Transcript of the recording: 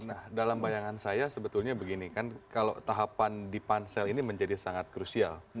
nah dalam bayangan saya sebetulnya begini kan kalau tahapan di pansel ini menjadi sangat krusial